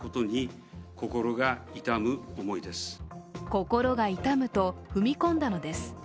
心が痛むと踏み込んだのです。